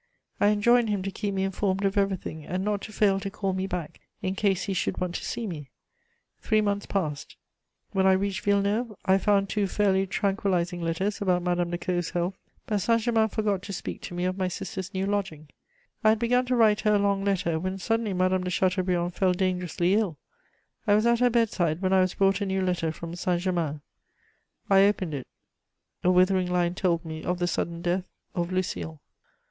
I enjoined him to keep me informed of everything and not to fail to call me back in case he should want to see me. Three months passed. When I reached Villeneuve, I found two fairly tranquillizing letters about Madame de Caud's health: but Saint Germain forgot to speak to me of my sister's new lodging. I had begun to write her a long letter, when suddenly Madame de Chateaubriand fell dangerously ill: I was at her bedside when I was brought a new letter from Saint Germain; I opened it: a withering line told me of the sudden death of Lucile.